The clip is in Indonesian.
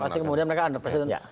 pasti kemudian mereka under presiden